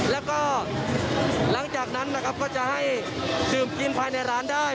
แล้วก็หลังจากนั้นนะครับก็จะให้ดื่มกินภายในร้านได้